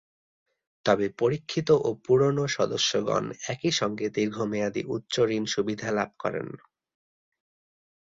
তবে পরীক্ষিত ও পুরোনো সদস্যগণ একই সঙ্গে দীর্ঘ মেয়াদি উচ্চ ঋণ সুবিধা লাভ করেন।